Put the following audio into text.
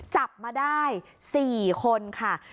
จับมาได้๔คนค่ะ